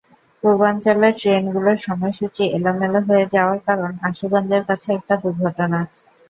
পূর্বাঞ্চলের ট্রেনগুলোর সময়সূচি এলোমেলো হয়ে যাওয়ার কারণ আশুগঞ্জের কাছে একটা দুর্ঘটনা।